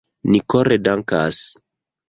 Ni kore dankas.